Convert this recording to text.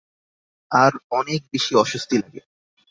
আর অনেক বেশি অস্বস্তি লাগে।